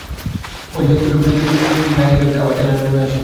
ঐ জালতি ফ্রেম সহিত দ্যালের গায়ে লেগে যায়, আবার টানলে নেবে আসে।